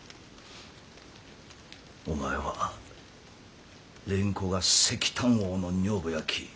お前は蓮子が石炭王の女房やき